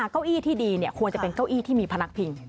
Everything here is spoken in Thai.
เก้าอี้ที่ดีควรจะเป็นเก้าอี้ที่มีพนักพิง